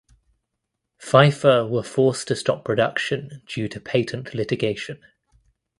Pfeiffer were forced to stop production due to patent litigation.